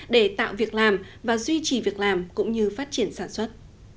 để tạo việc làm và duy trì việc làm cũng như phát triển sản xuất